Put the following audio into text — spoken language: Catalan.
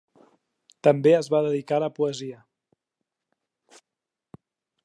També es va dedicar a la poesia.